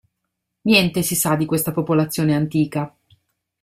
Niente si sa di questa popolazione antica.